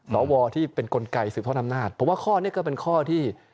สวที่เป็นกลไกสืบทอดอำนาจเพราะว่าข้อนี้ก็เป็นข้อที่